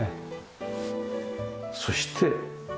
そして。